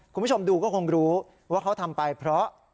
คุณผู้ชมดูก็คงรู้ว่าเขาทำไปเพราะ